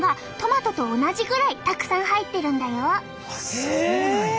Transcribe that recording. そうなんや。